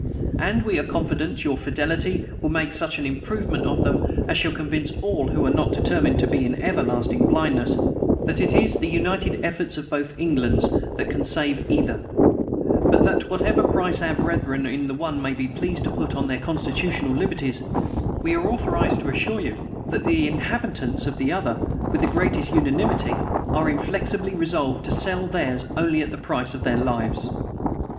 And we are confident your fidelity will make such improvement of them as shall convince all, who are not determined to be in everlasting blindness, that it is the united efforts of both Englands that can save either: but that whatever price our brethren in the one may be pleased to put on their constitutional liberties, we are authorized to assure you that the inhabitants of the other, with the greatest unanimity, are inflexibly resolved to sell theirs only at the price of their lives.